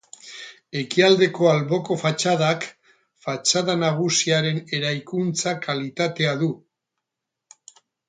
Ekialdeko alboko fatxadak fatxada nagusiaren eraikuntza-kalitatea du.